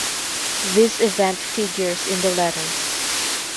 This event figures in the letters.